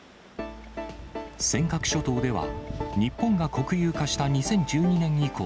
尖閣諸島では、日本が国有化した２０１２年以降、